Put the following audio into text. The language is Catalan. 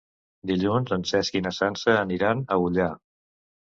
Dilluns en Cesc i na Sança aniran a Ullà.